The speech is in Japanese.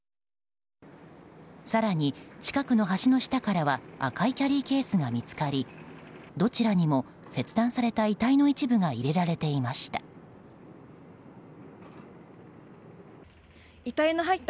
更に近くの橋の下からは赤いキャリーケースが見つかりどちらにも切断された遺体の一部が入れられていました。